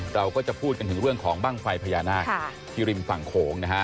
เราก็จะพูดกันถึงเรื่องของบ้างไฟพญานาคที่ริมฝั่งโขงนะฮะ